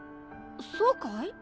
そうかい？